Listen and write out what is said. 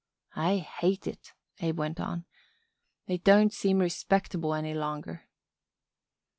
"I hate it," Abe went on. "It don't seem respectable any longer."